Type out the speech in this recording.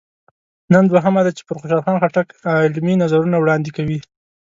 نن دوهمه ده چې پر خوشحال خټک علمي نظرونه وړاندې کوي.